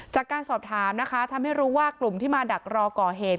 จากการสอบถามนะคะทำให้รู้ว่ากลุ่มที่มาดักรอก่อเหตุ